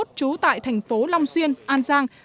trú tại thành phố long xuyên an giang